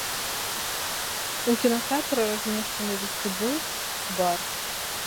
У кінатэатры размешчаны вестыбюль, бар.